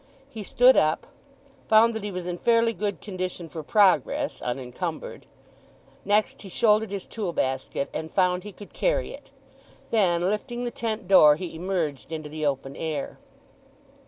He stood up, found that he was in fairly good condition for progress, unencumbered. Next he shouldered his tool basket, and found he could carry it. Then lifting the tent door he emerged into the open air.